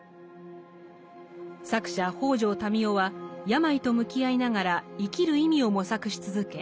作者北條民雄は病と向き合いながら生きる意味を模索し続け